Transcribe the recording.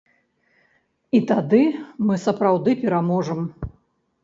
І тады мы сапраўды пераможам.